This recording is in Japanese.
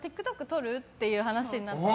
撮る？っていう話になって。